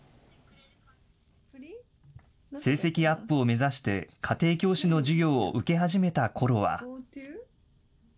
成績アップを目指して、家庭教師の授業を受け始めたころは。